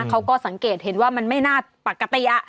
เขาก็สังเกตเห็นว่ามันไม่น่าปกติ